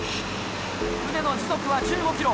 船の時速は１５キロ。